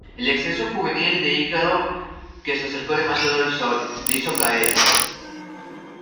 El exceso juvenil de Ícaro, que se acercó demasiado al sol, le hizo caer.